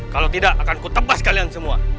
kalau tidak akan kutepas kalian semua